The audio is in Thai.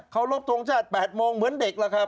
เขารบทรงชาติ๘โมงเหมือนเด็กล่ะครับ